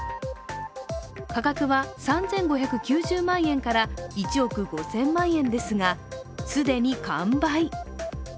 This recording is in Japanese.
価格は３５９０万円から１億５０００万円ですが、既に完売。